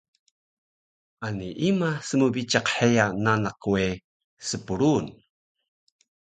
Ani ima smbiciq heya nanak we spruun